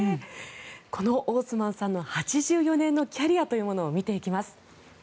このオースマンさんの８４年のキャリアというものを見ていきます。